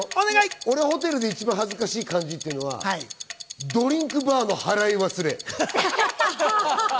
俺はホテルで一番恥ずかしいって感じたのはドリンクバーの払い忘れ。